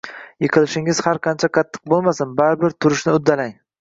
Yiqilishingiz har qancha qattiq bo’lmasin, baribir turishni uddalang